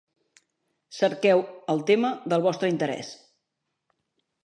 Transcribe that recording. Cerqueu el tema del vostre interès.